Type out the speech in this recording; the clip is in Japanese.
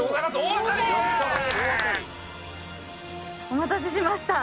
「お待たせしました」